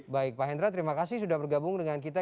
baik pak hendra terima kasih sudah bergabung dengan kita